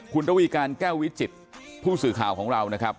คุณระวีการแก้ววิจิตผู้สื่อข่าวของเรานะครับ